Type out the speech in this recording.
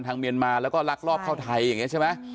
ทางเมียนมาแล้วก็รักลอบเข้าใทยไงใช่ไหม